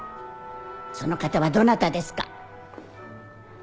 その方はどなたですか？